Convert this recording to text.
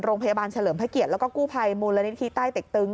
โรงพยาบาลเฉลิมพระเกียรติแล้วก็กู้ภัยมูลละนิดที่ใต้เต็กตึง